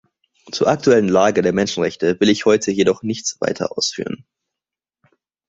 Zur aktuellen Lage der Menschenrechte will ich heute jedoch nichts weiter ausführen.